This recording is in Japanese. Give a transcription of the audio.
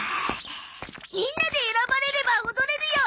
みんなで選ばれれば踊れるよ！